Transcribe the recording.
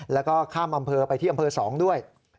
แล้วก็ข้ามอำเภอไปที่อำเภอ๒ด้วย